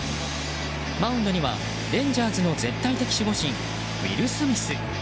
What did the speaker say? マウンドにはレンジャーズの絶対的守護神ウィル・スミス。